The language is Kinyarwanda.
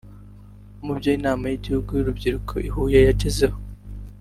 Mu byo inama y’igihugu y’urubyiruko y’i Huye yagezeho